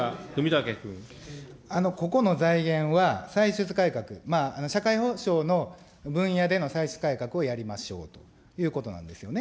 ここの財源は、歳出改革、社会保障の分野での歳出改革をやりましょうということなんですよね。